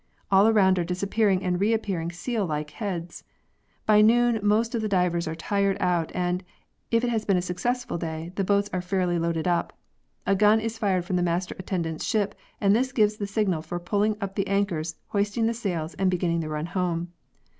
All around are disappearing and reappearing seal like heads. By noon most of the divers are tired out and, if it has been a successful day, the boats are fairly loaded up. A gun is fired from the Master Attendant's ship, and this gives the signal for pulling up the anchors, hoisting the sails and beginning the run home.